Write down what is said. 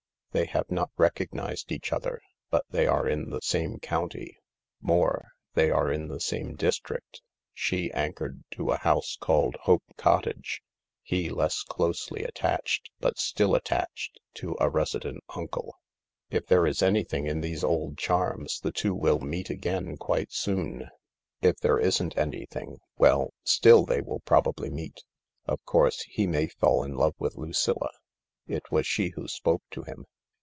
They have not recognised each other, but they are in the same county ; more, they are in the same district 1 she anchored to a house called Hope Cottage, he less closeljf attached, but still attached, to a resident uncle. If there is anything in these old charms the two will meet agaiu quite soon. If there isnt anything— well, still they will probably meet. Of course he may fall in love with Lucilla —it was she who spoke to him.